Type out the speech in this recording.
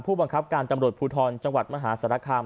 ผู้บังคับการจังหวัดภูทรจังหวัดมหาศาลคาม